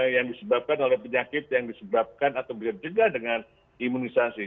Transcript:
yang disebabkan oleh penyakit yang disebabkan atau berjegah dengan imunisasi